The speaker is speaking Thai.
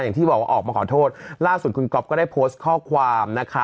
อย่างที่บอกว่าออกมาขอโทษล่าสุดคุณก๊อฟก็ได้โพสต์ข้อความนะคะ